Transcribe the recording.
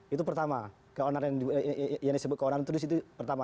itu pertama keonaran yang disebut keonaran itu di situ pertama